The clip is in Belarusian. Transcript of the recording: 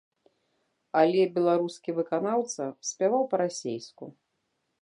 Але беларускі выканаўца спяваў па-расейску.